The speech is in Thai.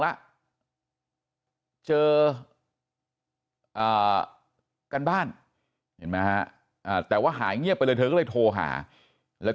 แล้วเจอกันบ้านเห็นไหมฮะแต่ว่าหายเงียบไปเลยเธอก็เลยโทรหาแล้วก็